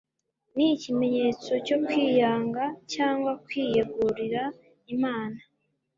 ni ikimenyetso cyo kwiyanga cyangwa kwiyegurira imana